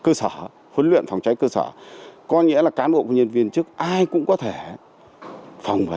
cơ sở huấn luyện phòng cháy cơ sở có nghĩa là cán bộ công nhân viên chức ai cũng có thể phòng và